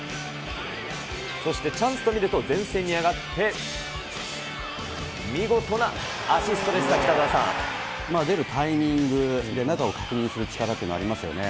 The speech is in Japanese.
そしてチャンスと見ると、前線に上がって、見事なアシストでした、出るタイミング、中を確認する力っていうのがありますよね。